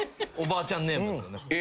おばあちゃんネームっすよね。